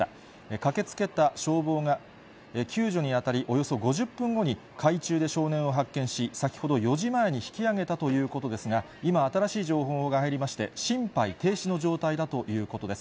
駆けつけた消防が救助にあたり、およそ５０分後に海中で少年を発見し、先ほど４時前に引き上げたということですが、今、新しい情報が入りまして、心肺停止の状態だということです。